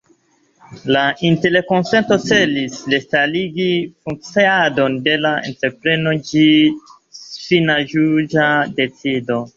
La interkonsento celis restarigi funkciadon de la entrepreno ĝis fina juĝa decido.